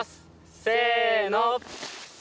せの！